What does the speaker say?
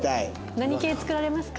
何系作られますか？